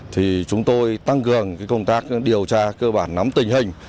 thì chúng tôi tăng cường công tác điều tra cơ bản nắm tình hình